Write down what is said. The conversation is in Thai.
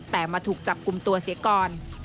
แต่มาถูกจับกุมตัวเสียกร